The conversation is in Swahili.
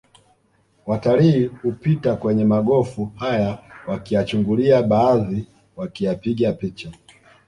Watalii hupita kwenye magofu haya wakiyachungulia baadhi wakiyapiga picha